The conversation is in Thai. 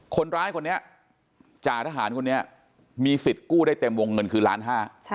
คนร้ายคนนี้จ่าทหารคนนี้มีสิทธิ์กู้ได้เต็มวงเงินคือล้านห้า